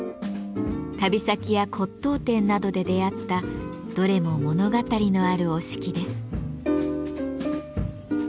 旅先や骨董店などで出会ったどれも物語のある折敷です。